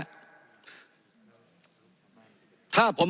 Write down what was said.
ถ้าผมพูดถึงวันที่๖นาทีนี้นะครับ